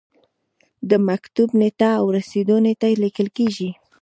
د مکتوب نیټه او رسیدو نیټه لیکل کیږي.